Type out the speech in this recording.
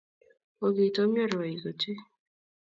kokitomyo rwaik ocheei